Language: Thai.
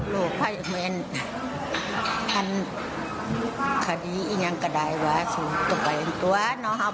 งั้นอันนี้เองก็เลยยากพบว่างั้นงั้น